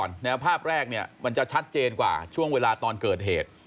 ภาพแรกเนี่ยมันจะชัดเจนกว่าช่วงเวลาตอนเกิดเหตุ